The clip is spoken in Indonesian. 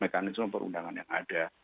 mekanisme perundangan yang ada